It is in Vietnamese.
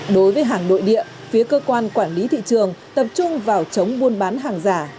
đối với hàng nội địa phía cơ quan quản lý thị trường tập trung vào chống buôn bán hàng giả